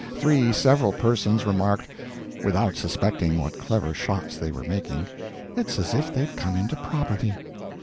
Three several persons remarked, without suspecting what clever shots they were making: "It's as if they'd come into property."